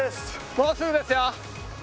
もうすぐですよ！